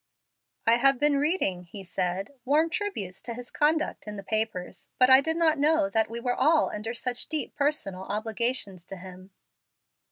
"I have been reading," he said, "warm tributes to his conduct in the papers, but I did not know that we were all under such deep personal obligations to him.